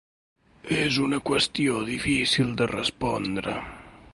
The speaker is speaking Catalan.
És una qüestió difícil de respondre.